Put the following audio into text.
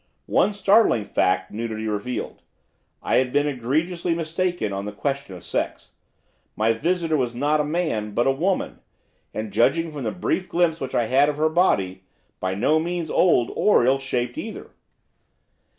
One startling fact nudity revealed, that I had been egregiously mistaken on the question of sex. My visitor was not a man, but a woman, and, judging from the brief glimpse which I had of her body, by no means old or ill shaped either.